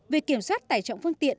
việc kiểm soát tài trọng phương tiện